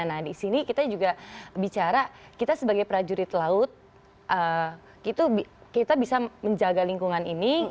nah di sini kita juga bicara kita sebagai prajurit laut kita bisa menjaga lingkungan ini